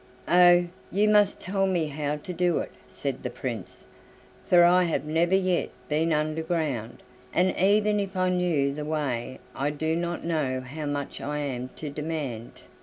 "Oh! you must tell me how to do it," said the Prince, "for I have never yet been underground, and even if I knew the way I do not know how much I am to demand."